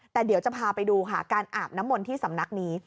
แต่เดี๋ยวจะพาไปดูค่ะการอาบน้ำมนต์ที่สำนักนี้